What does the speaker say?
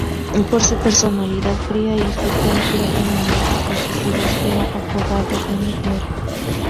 Por su personalidad fría y su temple en momentos decisivos, era apodado "Mr.